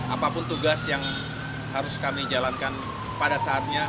apapun tugas yang harus kami jalankan pada saatnya